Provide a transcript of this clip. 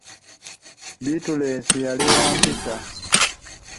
Bittulensi yali mwana wa mpisa.